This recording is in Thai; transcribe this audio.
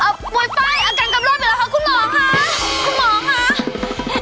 โวไฟอาการกำลังหมดแล้วค่ะคุณหมองค่ะ